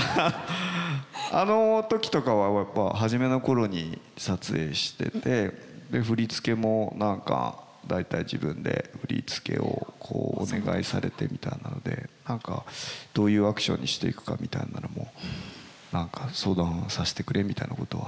あの時とかは初めの頃に撮影しててで振り付けも何か大体自分で振り付けをお願いされてみたいなので何かどういうアクションにしていくかみたいなのも相談させてくれみたいなことは。